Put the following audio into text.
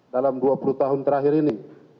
dalam dua puluh tahun terakhir ini